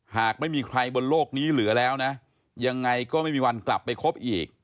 หากไม่มีใครบนโลกนี้เหลือแล้วนะยังไงก็ไม่มีวันกลับไปคบอีก